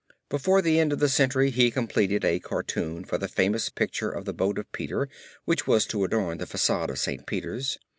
Before the end of the century he completed a cartoon for the famous picture of the Boat of Peter which was to adorn the Facade of St. Peter's.